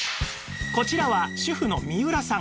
こちらは主婦の三浦さん